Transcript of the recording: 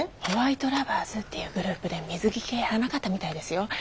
ホワイトラバーズっていうグループで水着系やらなかったみたいですよ。